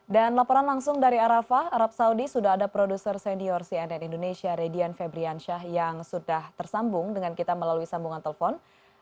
dan laporan langsung dari arafah arab saudi sudah ada produser senior cnn indonesia radian febriansyah yang sudah tersambung dengan kita melalui sambungan telpon